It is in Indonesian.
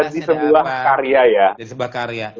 jadi semua karya